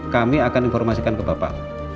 kami akan informasikan ke bapak